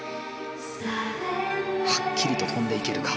はっきりと跳んでいけるか。